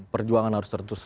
perjuangan harus terus